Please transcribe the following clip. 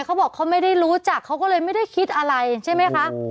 เขาบอกเขาไม่ได้รู้จักเขาก็เลยไม่ได้คิดอะไรใช่ไหมคะ